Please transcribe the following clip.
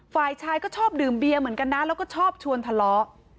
ฝ่ายชายก็ชอบดื่มเบียร์เหมือนกันนะแล้วก็ชอบชวนทะเลาะ